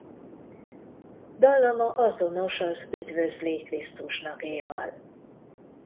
Dallama azonos az Üdvözlégy Krisztusnak-éval.